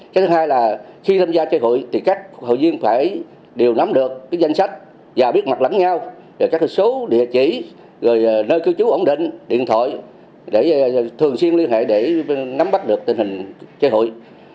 cái thứ hai là khi tham gia chơi hụi thì các hội viên phải đều nắm được danh sách và biết mặt lắng nhau về các số địa chỉ nơi cư trú ổn định điện thoại để thường xuyên liên hệ để nắm bắt được tình hình chơi hụi